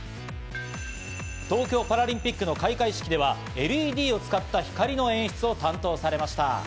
東京パラリンピックの開会式では、ＬＥＤを使った光の演出を担当されました。